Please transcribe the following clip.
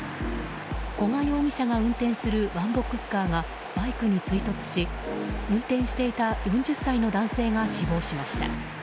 古賀容疑者が運転するワンボックスカーがバイクに追突し運転していた４０歳の男性が死亡しました。